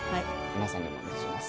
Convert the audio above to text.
皆さんにもお見せします。